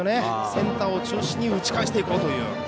センターを中心に打ち返していこうという。